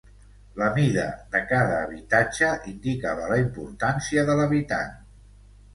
La mida de cada habitatge indicava la importància de l'habitant.